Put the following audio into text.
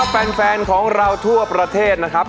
สวัสดีครับแฟนของเราทั่วประเทศนะครับ